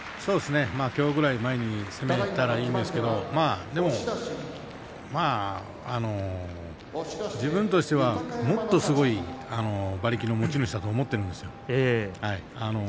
きょうぐらい前に攻めることができればいいんですが自分としてはもっと、すごい馬力の持ち主だと思っているんですよ。